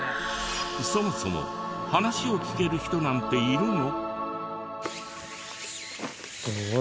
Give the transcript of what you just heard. そもそも話を聞ける人なんているの？